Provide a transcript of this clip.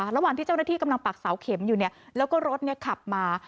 ระหว่างที่เจ้าหน้าที่กำลังปักเสาเข็มอยู่เนี่ยแล้วก็รถขับมา